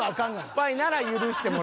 スパイなら許してもらえる。